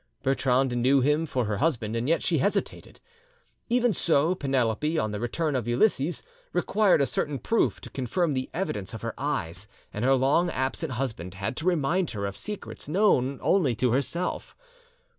Bertrande knew him for her husband, and yet she hesitated. Even so Penelope, on the, return of Ulysses, required a certain proof to confirm the evidence of her eyes, and her long absent husband had to remind her of secrets known only to herself.